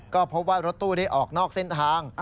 ก็พบว่ารถตู้ได้ออกนอกเส้นทาง